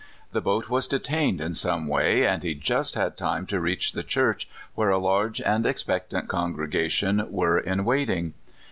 The boat was de tained in some way, and he just had time to reach the church, where a large and expectant congrega tion were in waiting.